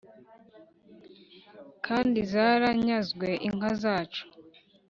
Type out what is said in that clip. kandi zaranyazwe inka zacu